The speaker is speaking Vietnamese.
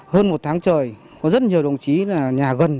hơn một tháng trời có rất nhiều đồng chí là nhà gần